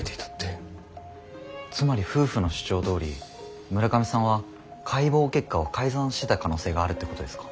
つまり夫婦の主張どおり村上さんは解剖結果を改ざんしてた可能性があるってことですか？